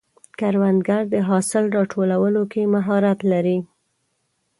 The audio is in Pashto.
کروندګر د حاصل راټولولو کې مهارت لري